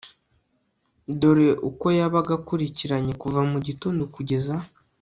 dore uko yabaga akurikiranye kuva mu gitondo kugeza